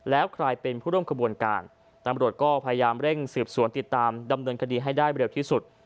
แล้วใครเป็นผู้ร่วมขบวนการตำรวจก็พยายามเร่งสืบสวนติดตามดำเนินคดีให้ได้เร็วที่สุด